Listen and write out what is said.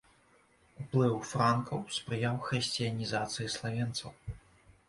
Уплыў франкаў спрыяў хрысціянізацыі славенцаў.